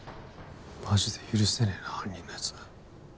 マジで許せねえな犯人のやつ